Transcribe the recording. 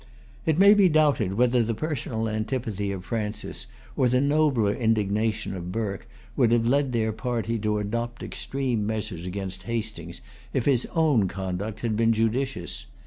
It may be doubted whether the personal antipathy of Francis, or the nobler indignation of Burke, would have led their party to adopt extreme measures against Hastings, if his own conduct had been judicious.